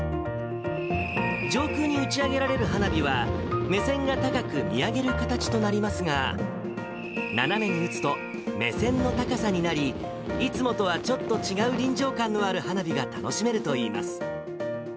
上空に打ち上げられる花火は、目線が高く、見上げる形となりますが、斜めに打つと目線の高さになり、いつもとはちょっと違う臨場感のある花火が楽しめるといいます。